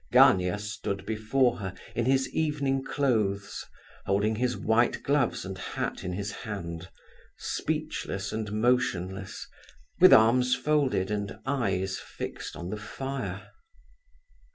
Gania stood before her, in his evening clothes, holding his white gloves and hat in his hand, speechless and motionless, with arms folded and eyes fixed on the fire.